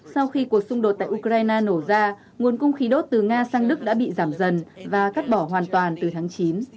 sau khi cuộc xung đột tại ukraine nổ ra nguồn cung khí đốt từ nga sang đức đã bị giảm dần và cắt bỏ hoàn toàn từ tháng chín